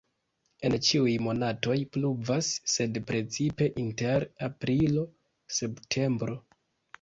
En ĉiuj monatoj pluvas, sed precipe inter aprilo-septembro.